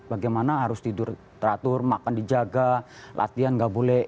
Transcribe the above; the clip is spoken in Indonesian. bagaimana harus tidur teratur makan dijaga latihan nggak boleh